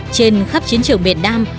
trên khắp chiến trường miền nam